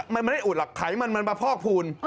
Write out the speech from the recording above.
มันไม่ได้อุดหรอกไขมันมันมาพอกพูล